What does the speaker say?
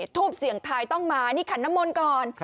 ทูปเสียงไทยต้องมานี่ขันนมลก่อน